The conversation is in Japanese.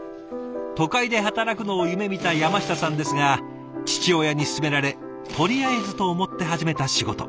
都会で働くのを夢みた山下さんですが父親に勧められとりあえずと思って始めた仕事。